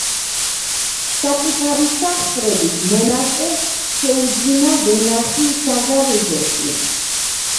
საკუთარი სახსრებით მონასტერს შეუძინა ვენახი საგარეჯოში.